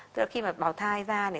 tức là khi mà bào thai ra này